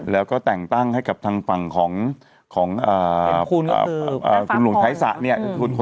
แล้วก็แต่งตั้งให้กับทางฝั่งของคุณหนุ่มไทยสะเนี่ย